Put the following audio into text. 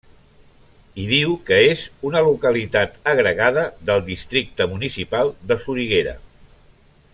Hi diu que és una localitat agregada del districte municipal de Soriguera.